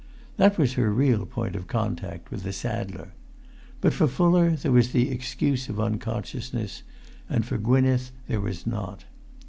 That was her real point of con[Pg 317]tact with the saddler. But for Fuller there was the excuse of unconsciousness, and for Gwynneth there was not.